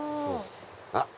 あっ！